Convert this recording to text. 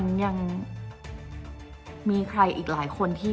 จนดิวไม่แน่ใจว่าความรักที่ดิวได้รักมันคืออะไร